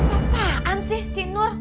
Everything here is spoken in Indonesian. apaan sih si nur